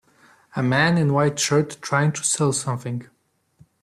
A man in white shirt trying to sell something.